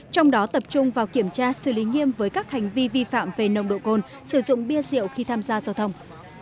trong đó tập trung vào kiểm tra xử lý nghiêm với các hành vi vi phạm về nồng độ cồn sử dụng bia rượu khi tham gia giao thông